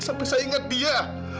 sampai saya ingat dia